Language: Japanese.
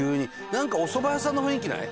なんかおそば屋さんの雰囲気ない？